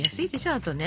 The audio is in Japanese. あとね。